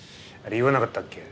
言わなかったっけ？